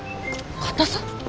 硬さ？